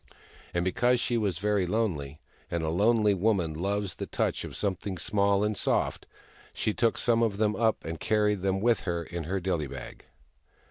And because she was very lonely, and a lonely woman loves the touch of something small and soft, she took some of them up and carried them with her in her dilly bag.